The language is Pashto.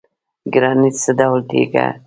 ګرانیټ څه ډول تیږه ده؟